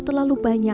tidak ada yang kaya